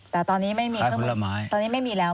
แต่ตอนนี้ไม่มีเครื่องมือทำอาหารกินแล้ว